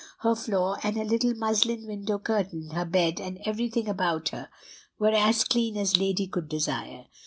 Her floor and her little muslin window curtain, her bed and every thing about her, were as clean as lady could desire.